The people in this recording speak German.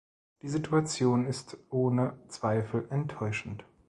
Die Situation ist ohne Zweifel enttäuschend.